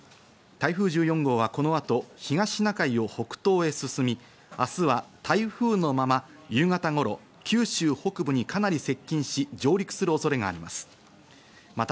台風１４号はこの後、東シナ海を北東へ進み、明日は台風のまま夕方頃、九州北部にかなり接近し、上陸する恐れがあります。